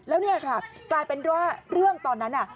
แล้วเนี่ยค่ะกลายเป็นว่าเรื่องตอนนั้น